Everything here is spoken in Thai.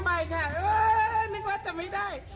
ได้สี่หกสิบห้าใบค่ะเออนึกว่าจะไม่ได้